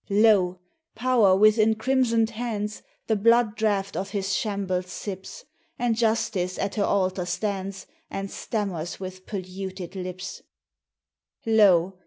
Lo! Power, with encrimsoned hands, The blood draught of his shambles sips; And Justice at her altar stands And stammers with polluted lips; Lo!